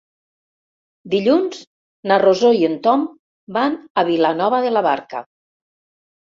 Dilluns na Rosó i en Tom van a Vilanova de la Barca.